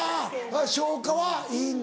消化はいいんだ？